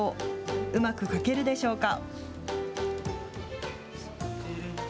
うまく書けるでしょうか。